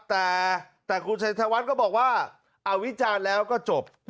แต่คุณชัยธวัฒน์ก็บอกว่าเอาวิจารณ์แล้วก็จบ